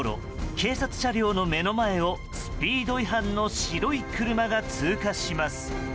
警察車両の目の前をスピード違反の白い車が通過します。